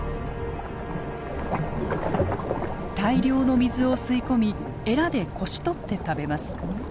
大量の水を吸い込みエラでこしとって食べます。